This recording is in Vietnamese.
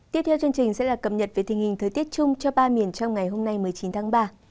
tiếp theo chương trình sẽ là cập nhật về tình hình thời tiết chung cho ba miền trong ngày hôm nay một mươi chín tháng ba